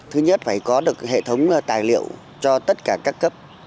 thứ nhất phải có được hệ thống tài liệu cho tất cả các cấp